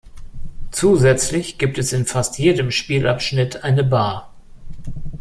Zusätzlich gibt es in fast jedem Spielabschnitt eine Bar.